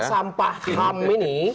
sampah sampah ham ini